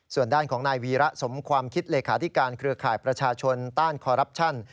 ส่วนด้านของนายวีระสมความคิดเลขาธิการเครือข่ายประชาชนต้านคอรับชัน